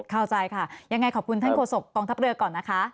เข้าใจค่ะยังไงขอบคุณท่านโศกกองทัพเรือก่อนนะคะ